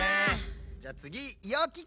じゃあつぎよき子！